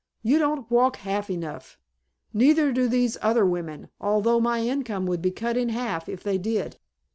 You don't walk half enough. Neither do these other women, although my income would be cut in half if they did."